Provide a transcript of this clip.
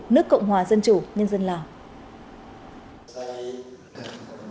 nước cộng hòa dân chủ nhân dân lào